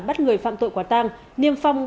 bắt người phạm tội quả tăng niêm phong